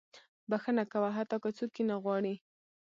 • بښنه کوه، حتی که څوک یې نه غواړي.